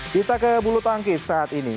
kita ke bulu tangkis saat ini